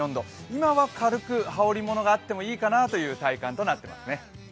今は軽く羽織りものがあってもいいかなという体感となっていますね。